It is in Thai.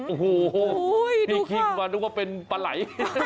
โอ้โหพี่คิงมานึกว่าเป็นปลาไหล